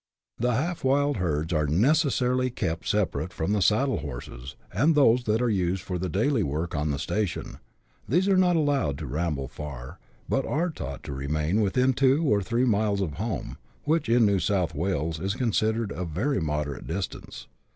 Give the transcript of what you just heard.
The half wild herds are necessarily kept separate from the saddle horses and those that are used for the daily work on the station ; these are not allowed to ramble far, but are taught to remain within two or three miles of home, which, in New South Wales, is considered a very moderate distance.